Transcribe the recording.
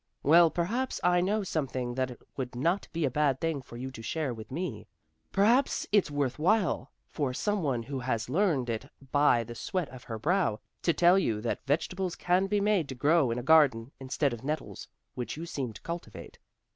"Well, perhaps I know something that it would not be a bad thing for you to share with me. Perhaps it's worth while for some one who has learned it by the sweat of her brow, to tell you that vegetables can be made to grow in a garden, instead of nettles, which you seem to cultivate."